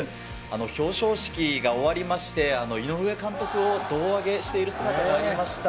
表彰式が終わりまして、井上監督を胴上げしている姿が見えました。